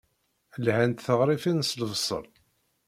Lhant teɣrifin s lebṣel.